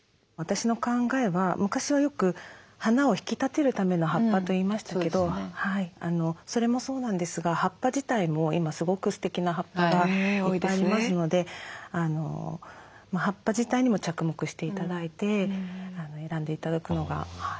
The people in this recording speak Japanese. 私の考えは昔はよく花を引き立てるための葉っぱといいましたけどそれもそうなんですが葉っぱ自体も今すごくすてきな葉っぱがいっぱいありますので葉っぱ自体にも着目して頂いて選んで頂くのが。